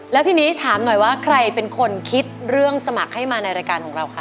แล้วทีนี้ถามหน่อยว่าใครเป็นคนคิดเรื่องสมัครให้มาในรายการของเราคะ